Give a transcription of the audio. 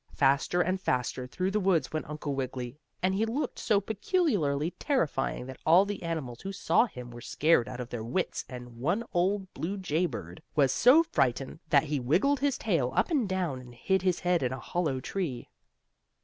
Faster and faster through the woods went Uncle Wiggily, and he looked so peculiarly terrifying that all the animals who saw him were scared out of their wits, and one old blue jay bird was so frightened that he wiggled his tail up and down, and hid his head in a hollow tree.